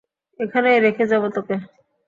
এখানেই রেখে যাব তোকে।